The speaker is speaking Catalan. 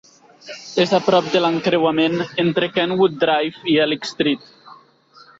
És a prop de l'encreuament entre Kenwood Drive i Helix Street.